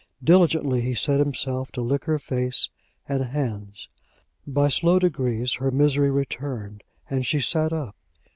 Diligently he set himself to lick her face and hands. By slow degrees her misery returned, and she sat up.